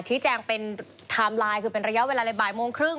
ชี้แจงเป็นไทม์ไลน์คือเป็นระยะเวลาเลยบ่ายโมงครึ่ง